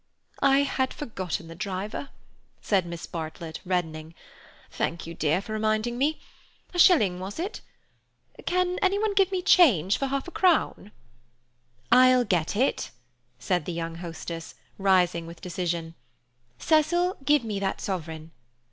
"I had forgotten the driver," said Miss Bartlett, reddening. "Thank you, dear, for reminding me. A shilling was it? Can any one give me change for half a crown?" "I'll get it," said the young hostess, rising with decision. "Cecil, give me that sovereign.